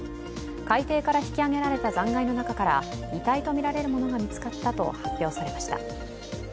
海底から引き上げられた残骸の中から遺体とみられるものが見つかったと発表されました。